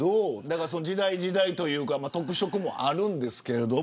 時代、時代というか特色もあるんですけど。